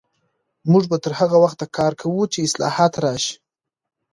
موږ به تر هغه وخته کار کوو چې اصلاحات راشي.